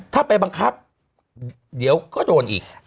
ถ้าไปบังคับเดี๋ยวก็โดนอีก